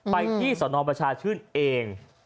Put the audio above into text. ไปที่สนประชาชื่นเอง